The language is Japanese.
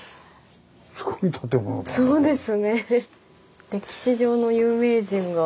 そうですね。